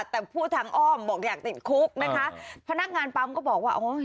แต่พูดทางอ้อมบอกอยากติดคุกนะคะพนักงานปั๊มก็บอกว่าโอ้ย